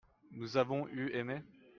nous avons eu aimé.